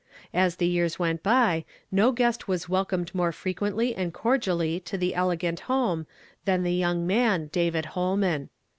As the yeai s went by, no guest was welcomed more frequently and cordially to the elegant home than the young man, David Ilolman.